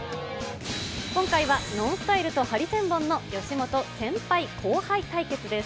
今回はＮＯＮＳＴＹＬＥとハリセンボンの吉本先輩後輩対決です。